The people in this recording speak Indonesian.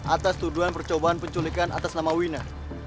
atas tuduhan percobaan penculikan atas nama wina